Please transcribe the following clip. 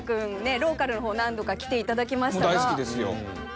ローカルのほう何度か来ていただきましたが。